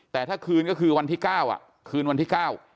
แต่ถ้าคืนก็คือวันที่๙คืนวันที่๙